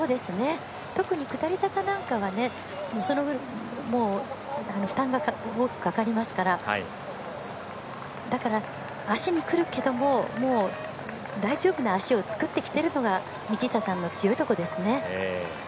特に下り坂なんかは負担が多くかかりますからだから、足にくるけども大丈夫な足を作ってきてるのが道下の強いところですね。